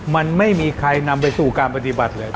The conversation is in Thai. มันไม่มีใครนำไปสู่การปฏิบัติเลย